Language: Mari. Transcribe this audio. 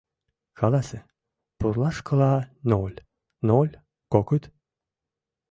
Каласе: пурлашкыла ноль, ноль, кокыт!